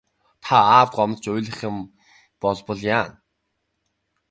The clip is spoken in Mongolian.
Та аавд гомдож уйлах юм болбол яана.